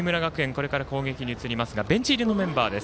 これから攻撃に移りますがベンチ入りのメンバーです。